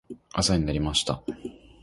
朝になりました。